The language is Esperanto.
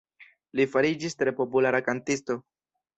Li fariĝis tre populara kantisto.